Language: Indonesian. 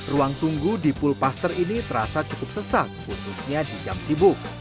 ruang tunggu di pulpaster ini terasa cukup sesat khususnya di jam sibuk